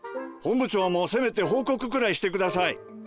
本部長もせめて報告くらいして下さい。